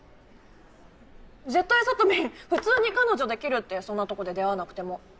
絶対サトミン普通に彼女できるってそんなとこで出会わなくても。